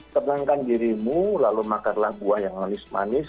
sementara dirimu lalu makanlah buah yang manis